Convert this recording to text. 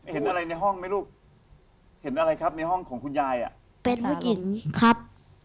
เห็นอะไรในห้องไหมลูกเห็นอะไรครับในห้องของคุณยาย